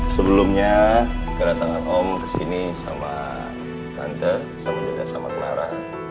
sebelumnya kedatangan om kesini sama tante sama juga sama clara